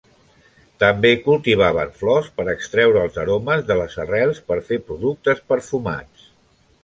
També cultivaven flors per extreure els aromes de les arrels per fer productes perfumats.